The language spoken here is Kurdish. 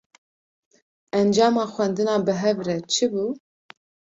Encama xwendina bi hev re, çi bû?